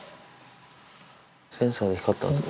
センサーで光ったんですね。